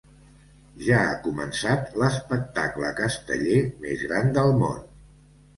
Ja ha començat l’espectacle casteller més gran del món.